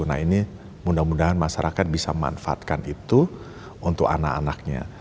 nah ini mudah mudahan masyarakat bisa memanfaatkan itu untuk anak anaknya